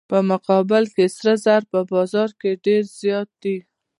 په مقابل کې سره زر په بازار کې ډیر زیات دي.